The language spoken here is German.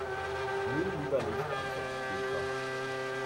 Nö, lieber nicht, antwortet Petra.